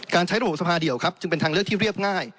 ใช้ระบบสภาเดียวครับจึงเป็นทางเลือกที่เรียบง่าย